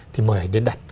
thì mời anh đến đặt